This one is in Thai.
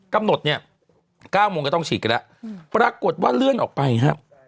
กำหนดเนี่ย๙โมงก็ต้องฉีดกันแล้วปรากฏว่าเลื่อนออกไปครับ